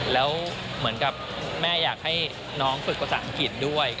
แล้วเหมือนกับแม่อยากให้น้องฝึกภาษาอังกฤษด้วย